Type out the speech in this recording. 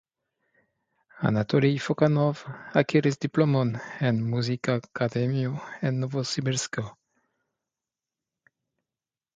Anatolij Fokanov akiris diplomon en muzikakademio en Novosibirsko.